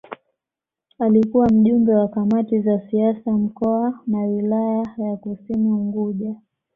Alikuwa Mjumbe wa Kamati za Siasa Mkoa na Wilaya ya Kusini Unguja